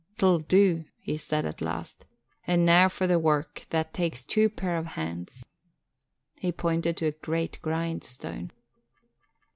"'Twill do," he said at last, "and noo for the wark that takes twa pair o' hands." He pointed to a great grindstone.